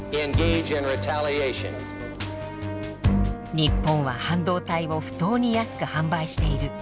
日本は半導体を不当に安く販売している。